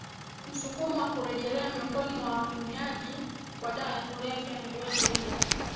msukumo wa kurejelea miongoni mwa watumiaji wa dawa ya kulevya yoyote ile